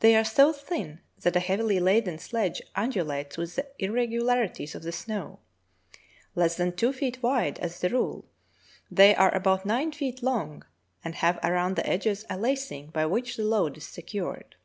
They are so thin that a heavily laden sledge undulates with the irregularities of the snow. Less than two feet wide as a rule, they are about nine feet long, and have around the edges a lacing by which the load is secured.